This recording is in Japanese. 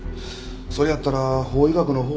それやったら法医学のほうで。